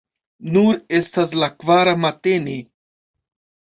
Nur estas la kvara matene.